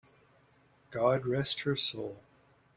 God rest her soul!